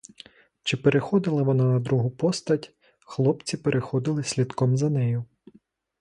Чи переходила вона на другу постать, хлопці переходили слідком за нею.